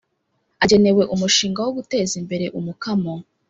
agenewe umushinga wo guteza imbere umukamo